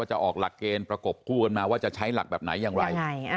จะออกหลักเกณฑ์ประกบคู่กันมาว่าจะใช้หลักแบบไหนอย่างไร